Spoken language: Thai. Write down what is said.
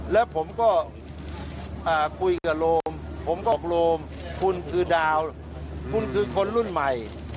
แล้วผมก็คุยกับโรมผมก็โรมคุณคือดาวคุณคือคนรุ่นใหม่